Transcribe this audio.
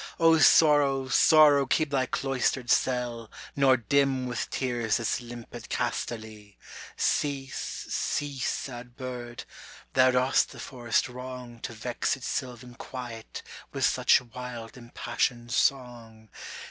O Sorrow, Sorrow keep thy cloistered cell Nor dim with tears this limpid Castaly ! Cease, Philomel, thou dost the forest wrong To vex its sylvan quiet with such wild impassioned song